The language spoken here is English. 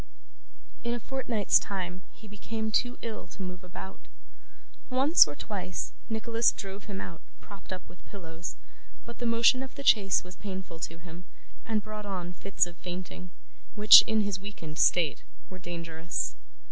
In a fortnight's time, he became too ill to move about. Once or twice, Nicholas drove him out, propped up with pillows; but the motion of the chaise was painful to him, and brought on fits of fainting, which, in his weakened state, were dangerous.